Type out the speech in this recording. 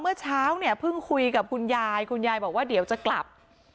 เมื่อเช้าเนี่ยเพิ่งคุยกับคุณยายคุณยายบอกว่าเดี๋ยวจะกลับ